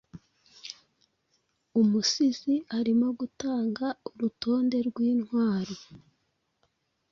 Umusizi arimo gutanga urutonde rwintwaro